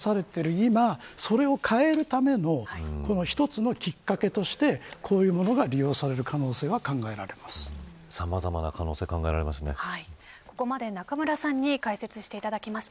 今それを変えるための一つのきっかけとしてこういうものが利用されるさまざまな可能性がここまで、中村さんに解説をしていただきました。